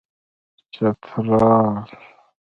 چترال